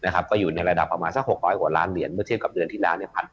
ก็อยู่ในระดับประมาณ๖๖ล้านเยนเมื่อเชียบกับเดือนที่แล้ว